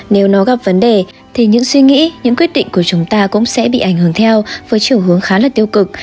nếu nó gặp vấn đề thì những suy nghĩ những quyết định của chúng ta cũng sẽ bị ảnh hưởng theo với chiều hướng khá là tiêu cực